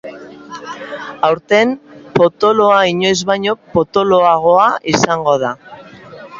Aurten, potoloa inoiz baino potoloagoa izango da.